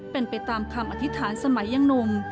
เป็นไปตามคำอธิษฐานสมัยยังหนุ่ม